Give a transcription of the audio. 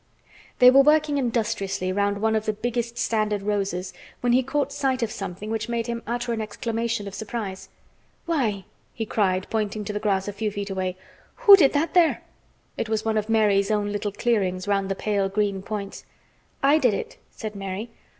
They were working industriously round one of the biggest standard roses when he caught sight of something which made him utter an exclamation of surprise. "Why!" he cried, pointing to the grass a few feet away. "Who did that there?" It was one of Mary's own little clearings round the pale green points. "I did it," said Mary.